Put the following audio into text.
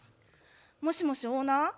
もしもしオーナー？